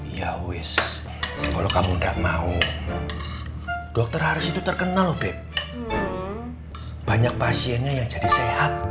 ya wis kalau kamu udah mau dokter harus itu terkenal lo beb banyak pasiennya yang jadi sehat